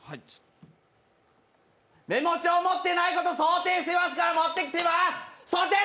メモ帳持ってきていないこと想定してるから持ってきてます！